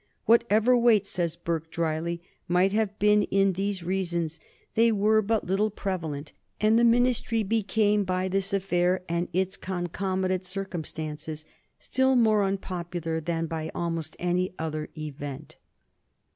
"Whatever weight," says Burke, dryly, "might have been in these reasons, they were but little prevalent, and the Ministry became by this affair and its concomitant circumstances still more unpopular than by almost any other event."